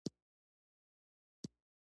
په لرې جهیل کښته کیدل ډیر خوندور وي